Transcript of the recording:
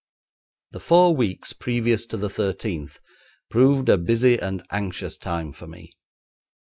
The four weeks previous to the thirteenth proved a busy and anxious time for me.